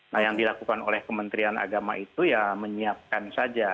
nah yang dilakukan oleh kementerian agama itu ya menyiapkan saja